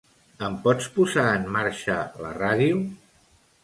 Em pots posar en marxa la ràdio?